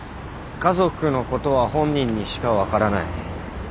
家族のことは本人にしか分からない。